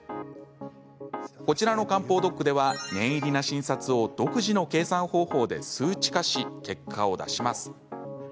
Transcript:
こちらの漢方ドックでは念入りな診察を独自の計算方法で数値化し結果を出します。